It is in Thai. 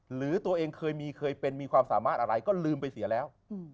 หรือตัวเองเคยมีเคยเป็นมีความสามารถอะไรก็ลืมไปเสียแล้ว